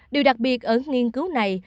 điều đặc biệt ở nghiên cứu này